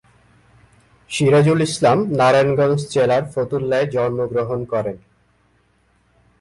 সিরাজুল ইসলাম নারায়ণগঞ্জ জেলার ফতুল্লায় জন্মগ্রহণ করেন।